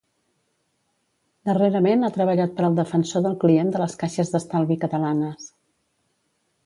Darrerament ha treballat per al defensor del client de les Caixes d'Estalvi Catalanes.